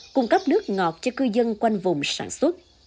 cung cấp nước ngọt cho cư dân quanh vùng sản xuất